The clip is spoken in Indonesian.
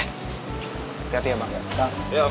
hati hati ya emang